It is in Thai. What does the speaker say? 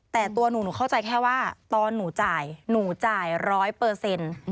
แต่ตัวหนูหนูเข้าใจแค่ว่าตอนหนูจ่ายหนูจ่ายร้อยเปอร์เซ็นต์